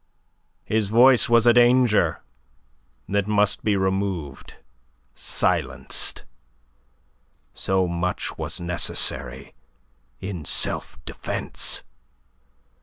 His voice was a danger that must be removed silenced. So much was necessary in self defence.